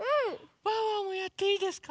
ワンワンもやっていいですか？